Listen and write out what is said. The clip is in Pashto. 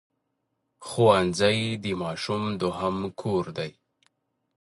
ښوونځی د ماشوم دوهم کور دی